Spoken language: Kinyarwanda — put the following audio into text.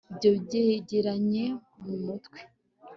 Ibyo byegeranye mu mutwe